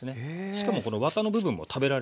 しかもこのワタの部分も食べられますから。